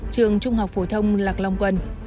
trường trung học phổ thông lạc long quân